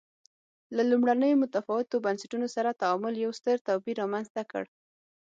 له لومړنیو متفاوتو بنسټونو سره تعامل یو ستر توپیر رامنځته کړ.